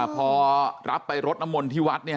พอรับไปรดน้ำมนต์ที่วัด